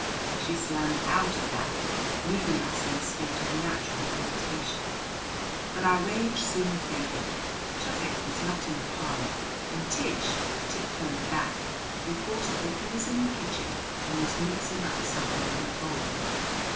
She slammed out at that, leaving us in a state of natural irritation. But our rage soon faded. Tufik was not in the parlor; and Tish, tiptoeing back, reported that he was in the kitchen and was mixing up something in a bowl.